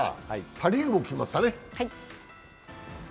パ・リーグも決まったね。